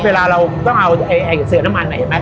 เวลาเราต้องเอาเสือน้ำมันเห็นไหม